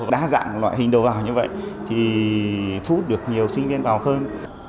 đa dạng loại hình đầu vào như vậy thì thu hút được nhiều sinh viên vào hơn